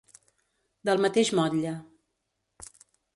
Del mateix motlle.